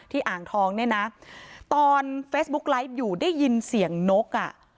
อ่างทองเนี่ยนะตอนเฟซบุ๊กไลฟ์อยู่ได้ยินเสียงนกอ่ะ